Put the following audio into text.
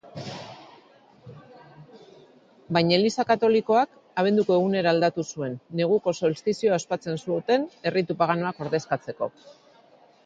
Baina Eliza Katolikoak abenduko egunera aldatu zuen, neguko solstizioa ospatzen zuten erritu paganoak ordezkatzeko.